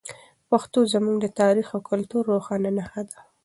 پښتو زموږ د تاریخ او کلتور روښانه نښه ده.